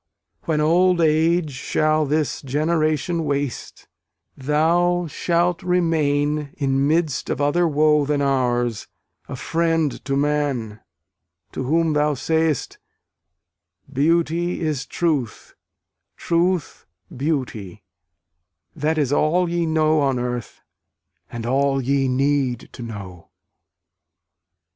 When old age shall this generation waste, Thou shalt remain, in midst of other woe Than ours, a friend to man, to whom thou say'st, "Beauty is truth, truth beauty" that is all Ye know on earth, and all ye need to know.